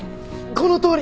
このとおり！